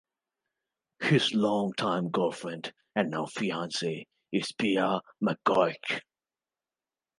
His longtime girlfriend, and now fiancee, is Pia McGeoch.